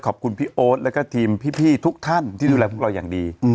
ขอบคุณพี่โอ๊ตแล้วก็ทีมพี่ทุกท่านที่ดูแลพวกเราอย่างดี